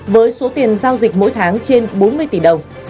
với số tiền giao dịch mỗi tháng trên bốn mươi tỷ đồng